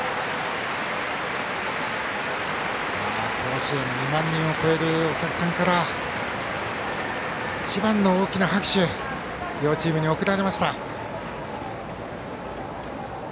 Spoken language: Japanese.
甲子園、２万人を超えるお客さんから一番の大きな拍手が両チームに送られました。